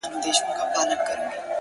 • که محشر نه دی نو څه دی,